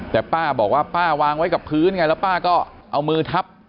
แต่ป้าบอกว่าป้าวางไว้กับพื้นไงแล้วป้าก็เอามือทับ